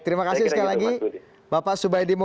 terima kasih pak budi